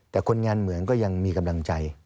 แต่คนงานเหมือนก็ยังมีกำลังใจ